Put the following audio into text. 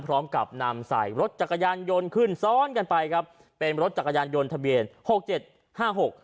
พร้อมกับนำใส่รถจักรยานยนต์ขึ้นซ้อนกันไปครับเป็นรถจักรยานยนต์ทะเบียนหกเจ็ดห้าหก